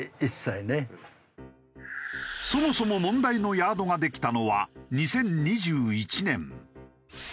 そもそも問題のヤードができたのは２０２１年。